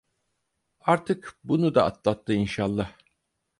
Artık bunu da atlattı inşallah!